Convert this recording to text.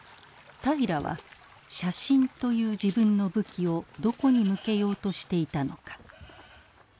平良は写真という自分の武器をどこに向けようとしていたのか。